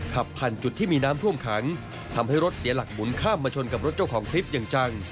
ขับผ่านจุดที่มีน้ำท่วมขังทำให้รถเสียหลักหมุนข้ามมาชนกับรถเจ้าของคลิปอย่างจัง